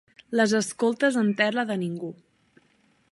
Les escoltes en terra de ningú